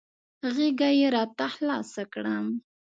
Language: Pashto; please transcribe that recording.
غېږه یې راته خلاصه کړه .